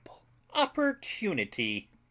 opportunity .